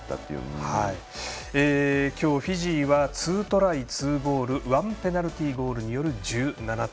今日、フィジーは２トライ２ゴールワンペナルティゴールによる１７点。